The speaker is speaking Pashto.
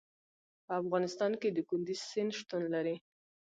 په افغانستان کې د کندز سیند شتون لري.